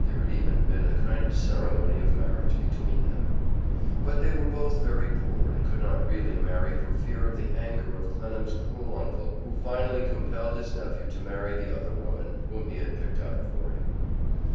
There had even been a kind of ceremony of marriage between them. But they were both very poor and could not really marry for fear of the anger of Clennam's cruel uncle, who finally compelled his nephew to marry the other woman, whom he had picked out for him.